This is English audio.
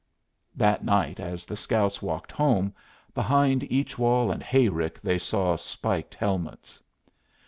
'" That night as the scouts walked home, behind each wall and hayrick they saw spiked helmets.